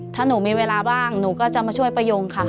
ถ้าหนูมีเวลาบ้างหนูก็จะมาช่วยประยงค่ะ